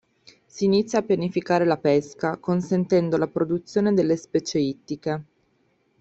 Si inizia a pianificare la pesca, consentendo la produzione delle specie ittiche.